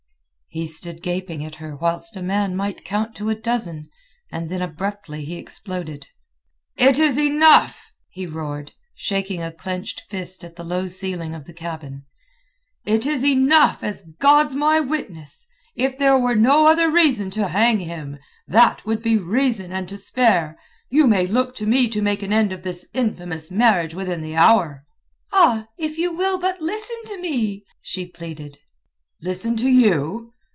He stood gaping at her whilst a man might count to a dozen, and then abruptly he exploded. "It is enough!" he roared, shaking a clenched fist at the low ceiling of the cabin. "It is enough, as God's my Witness. If there were no other reason to hang him, that would be reason and to spare. You may look to me to make an end of this infamous marriage within the hour." "Ah, if you will but listen to me!" she pleaded. "Listen to you?"